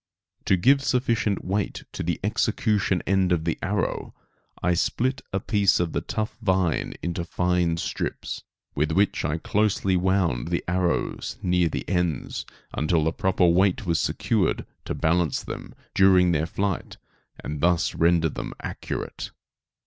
To give sufficient weight to the execution end of the arrow, I split a piece of the tough vine into fine strips, with which I closely wound the arrows near the ends, until the proper weight was secured to balance them during their flight and thus render them accurate.